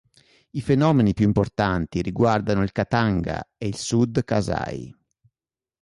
I fenomeni più importanti riguardarono il Katanga e il Sud Kasai.